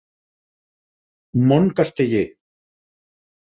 Món Casteller.